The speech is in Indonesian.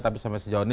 tapi sampai sejauh ini